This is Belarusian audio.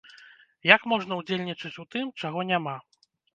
Як можна ўдзельнічаць у тым, чаго няма?